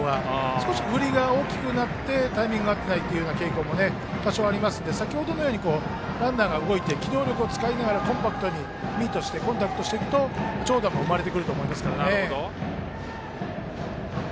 少し振りが大きくなってタイミングが合っていない傾向も多少ありますので先程のようにランナーが動いて機動力を使いながらコンパクトにミートしてコンタクトしていくと長打も生まれてくると思いますけどね。